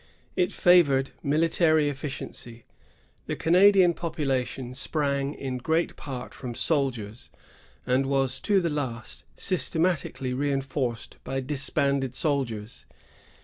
It favored military efficiency. The Canadian population sprang in great part from soldiers, and was to the last systematically reinforced by disbanded soldiers.